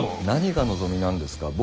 何が望みなんですか？